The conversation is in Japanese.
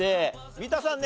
三田さんね